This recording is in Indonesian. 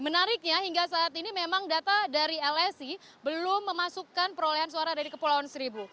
menariknya hingga saat ini memang data dari lsi belum memasukkan perolehan suara dari kepulauan seribu